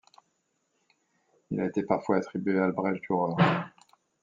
Elle a été parfois attribué à Albrecht Dürer.